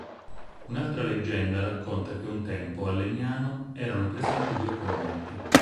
Un'altra leggenda racconta che un tempo, a Legnano, erano presenti due conventi.